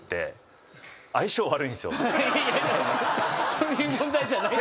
・そういう問題じゃない。